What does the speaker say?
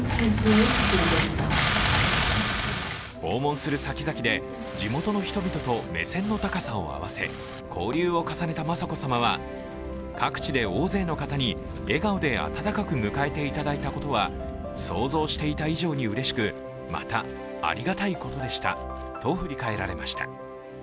訪問するさきざきで地元の人々と目線の高さを合わせ交流を重ねた雅子さまは、各地で大勢の方に笑顔で温かく迎えていただいたことは、想像していた以上にうれしくまた、ありがたいことでしたと振り返られました。